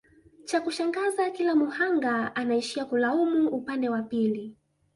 chakushangaza kila muhanga anaishia kulaumu upande wa pili